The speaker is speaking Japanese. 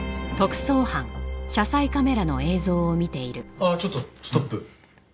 ああちょっとストップ。